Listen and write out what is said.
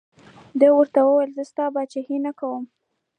ده ورته وویل زه ستا پاچهي نه کوم.